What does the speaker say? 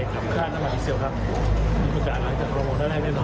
และค่าน้ำมันอีเซลล์ครับมีประกาศหลายจากคอรมณ์นัดแรกแน่นอน